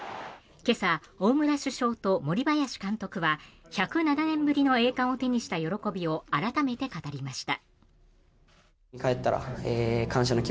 今朝、大村主将と森林監督は１０７年ぶりの栄冠を手にした喜びを改めて語りました。